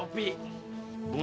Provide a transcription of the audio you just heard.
oh apaan sih